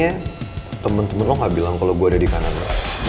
kayaknya temen temen lo gak bilang kalo gue ada di kanan lo